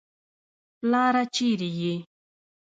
پلاره چېرې يې.